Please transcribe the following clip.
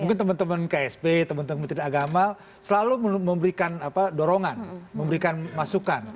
mungkin teman teman ksp teman teman menteri agama selalu memberikan dorongan memberikan masukan